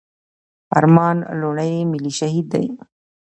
ارمان لوڼي ملي شهيد دی.